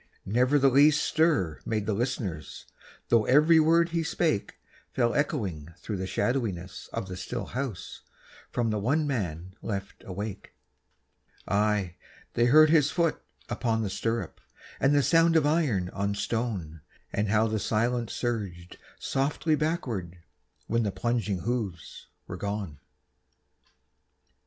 Never the least stir made the listeners, Though every word he spake Fell echoing through the shadowiness of the still house From the one man left awake: Aye, they heard his foot upon the stirrup, And the sound of iron on stone, And how the silence surged softly backward, When the plunging hoofs were gone.